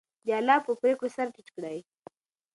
د الله په پرېکړو سر ټیټ کړئ.